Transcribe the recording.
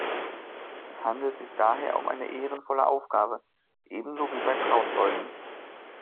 Es handelt sich daher um eine ehrenvolle Aufgabe, ebenso wie bei Trauzeugen.